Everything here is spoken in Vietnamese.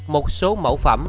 một số mẫu phẩm